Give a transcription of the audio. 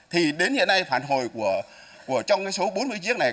thì đến hiện nay phản hồi trong cái số bốn mươi chiếc này